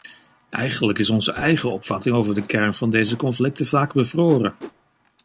Eigenlijk is onze eigen opvatting over de kern van deze conflicten vaak bevroren.